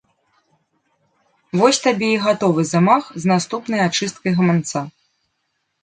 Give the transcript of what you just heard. Вось табе і гатовы замах з наступнай ачысткай гаманца.